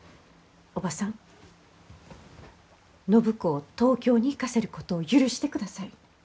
おばさん暢子を東京に行かせることを許してください。